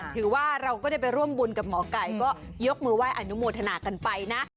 ถือว่าเราก็ได้ไปร่วมบุญกับหมอไก่ก็ยกมือไห้อนุโมทนากันไปนะ